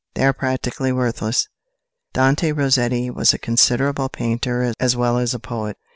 They are practically worthless. Dante Rossetti was a considerable painter as well as a poet.